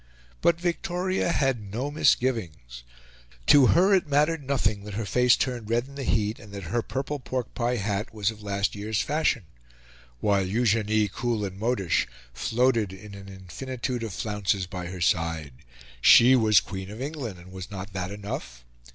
But Victoria had no misgivings. To her it mattered nothing that her face turned red in the heat and that her purple pork pie hat was of last year's fashion, while Eugenie, cool and modish, floated in an infinitude of flounces by her side. She was Queen of England, and was not that enough?